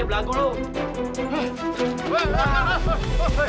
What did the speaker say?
bayangin ya pake earphone